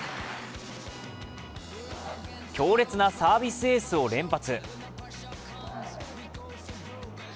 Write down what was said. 強烈なサービスエースを連発。